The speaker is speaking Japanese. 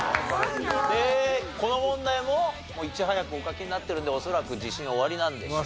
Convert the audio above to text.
この問題もいち早くお書きになってるので恐らく自信おありなんでしょう。